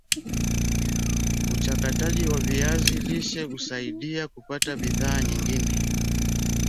uchakataji wa viazi lishe husaidia kupata bidhaa nyingine